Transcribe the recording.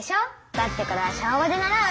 だってこれは小５で習う。